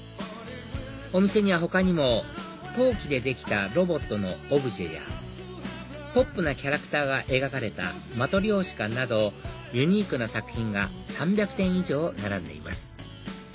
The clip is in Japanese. お店には他にも陶器でできたロボットのオブジェやポップなキャラクターが描かれたマトリョーシカなどユニークな作品が３００点以上並んでいます